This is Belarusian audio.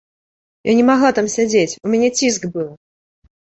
Я не магла там сядзець, у мяне ціск быў!